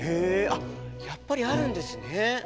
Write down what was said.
あやっぱりあるんですね。